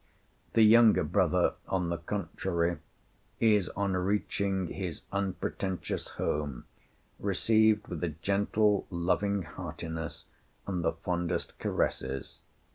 The younger brother, on the contrary, is, on reaching his unpretentious home, received with a gentle, loving heartiness and the fondest caresses.